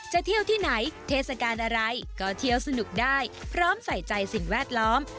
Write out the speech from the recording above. เที่ยวที่ไหนเทศกาลอะไรก็เที่ยวสนุกได้พร้อมใส่ใจสิ่งแวดล้อม